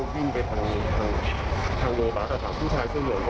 ที่นี่มีปัญหา